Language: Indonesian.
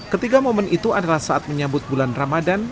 ketiga momen itu adalah saat menyambut bulan ramadan